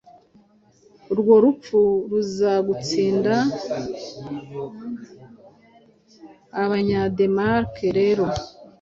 Urwo rupfu ruzagutsinda Abanya Danemark rero